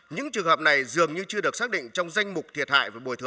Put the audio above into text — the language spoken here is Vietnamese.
những trường hợp này dường như chưa được xác định trong danh mục thiệt hại và bồi thường